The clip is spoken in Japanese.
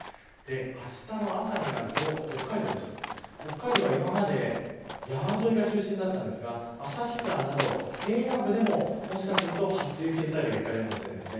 あしたの朝になると北海道は今まで山沿いが中心だったんですが旭川など平野部でももしかすると初雪の便りが聞かれるかもしれません。